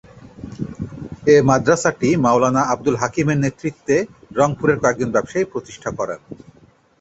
এ মাদরাসাটি মাওলানা আব্দুল হাকিম এর নেতৃত্বে রংপুরের কয়েকজন ব্যবসায়ী প্রতিষ্ঠা করে।